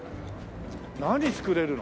何造れるの？